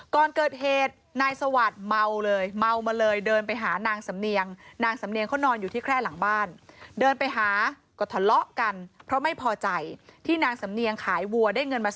ก่อนเกิดเหตุนายสวัสดิ์เมาเลยเมามาเลยเดินไปหานางสำเนียง